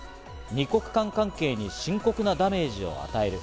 二国間関係に深刻なダメージを与える。